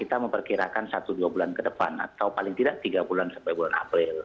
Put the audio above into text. kita memperkirakan satu dua bulan ke depan atau paling tidak tiga bulan sampai bulan april